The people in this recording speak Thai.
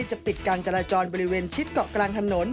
จะปิดการจราจรบริเวณชิดเกาะกลางถนน